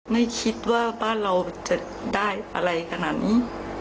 ไม่คิดว่าบ้านเราจะได้อะไรขนาดนี้